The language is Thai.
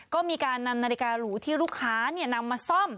ก็มีการนำนาฬิกาหรูที่ลูกค้านำมาซ่อม